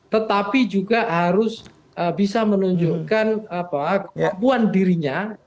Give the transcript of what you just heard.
tetapi juga harus bisa menunjukkan kemampuan dirinya